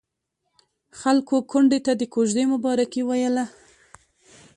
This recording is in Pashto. خلکو کونډې ته د کوژدې مبارکي ويله.